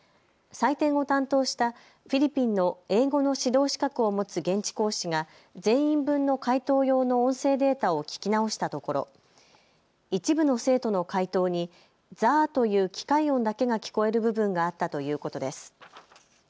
採点を担当したフィリピンの英語の指導資格を持つ現地講師が全員分の解答用の音声データを聞き直したところ一部の生徒の解答にザーという機械音だけが聞こえる部分があったということです。